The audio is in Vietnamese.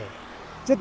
rất là đẹp